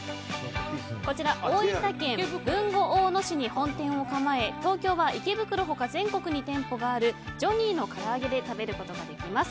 こちら大分県豊後大野市に本店を構え東京は池袋ほか全国に店舗があるジョニーのからあげで食べることができます。